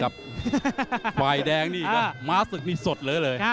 ฝ่ายแดงนี่ครับม้าศึกนี่สดเหลือเลย